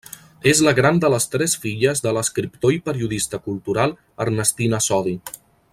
És la gran de les tres filles de l'escriptor i periodista cultural Ernestina Sodi.